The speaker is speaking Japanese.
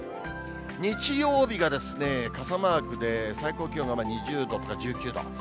日曜日がですね、傘マークで、最高気温が２０度とか１９度。